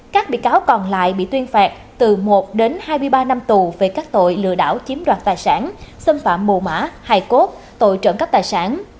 các bị cáo còn lại bị tuyên phạt từ một đến hai mươi ba năm tù về các tội lừa đảo chiếm đoạt tài sản xâm phạm mù mã hải cốt tội trợn cấp tài sản